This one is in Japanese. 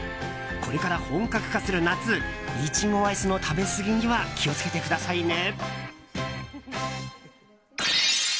これから本格化する夏イチゴアイスの食べすぎには気を付けてくださいね。